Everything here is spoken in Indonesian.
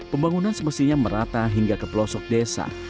pembangunan semestinya merata hingga ke pelosok desa